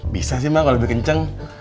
bisa sih mak kalau lebih kenceng